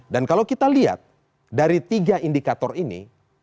dan kalau kita lihat dari tiga indikator ini